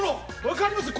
わかります？